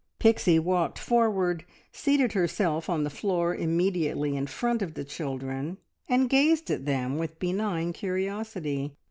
Pixie walked forward, seated herself on the floor immediately in front of the children, and gazed at them with benign curiosity.